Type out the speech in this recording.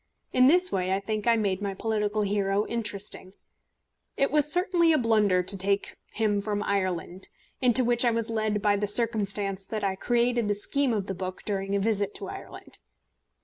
In this way I think I made my political hero interesting. It was certainly a blunder to take him from Ireland into which I was led by the circumstance that I created the scheme of the book during a visit to Ireland.